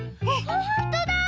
ほんとだ！